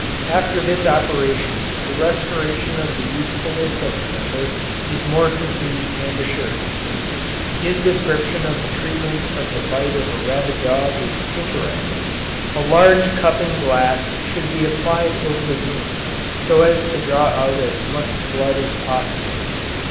After this operation the restoration of the usefulness of the member is more complete and assured. His description of the treatment of the bite of a rabid dog is interesting. A large cupping glass should be applied over the wound so as to draw out as much blood as possible.